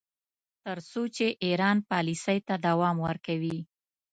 تر څو چې ایران پالیسۍ ته دوام ورکوي.